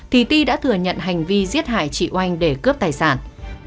thì ti đã thừa nhận hành vi giết hại chị oanh để cướp tài sản